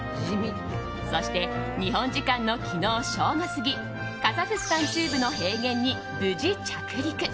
そして日本時間の昨日正午過ぎカザフスタン中部の平原に無事着陸。